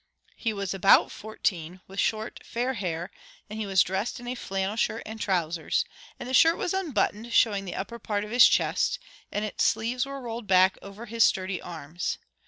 He was about fourteen, with short fair hair, and he was dressed in a flannel shirt and trousers; and the shirt was unbuttoned, showing the upper part of his chest, and its sleeves were rolled back over his sturdy arms.